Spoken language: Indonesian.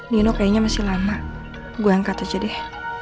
nino kayaknya masih lama gue angkat aja deh